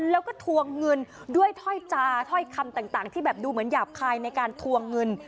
แล้วก็ทวงเงินด้วยถ้อยจาถ้อยคำต่างที่แบบดูเหมือนหยาบคายในการทวงเงิน